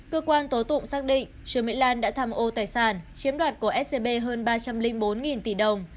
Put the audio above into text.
cơ quan tố tụng xác định trương mỹ lan đã tham ô tài sản chiếm đoạt của scb hơn ba trăm linh bốn tỷ đồng